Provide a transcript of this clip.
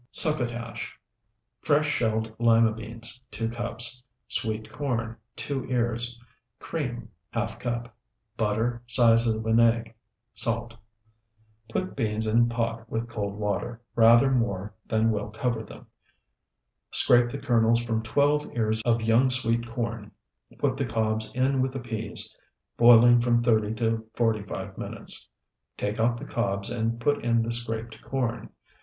SUCCOTASH Fresh shelled lima beans, 2 cups. Sweet corn, 2 ears. Cream, ½ cup. Butter, size of an egg. Salt. Put beans in pot with cold water, rather more than will cover them. Scrape the kernels from twelve ears of young sweet corn. Put the cobs in with the peas, boiling from thirty to forty five minutes. Take out the cobs and put in the scraped corn.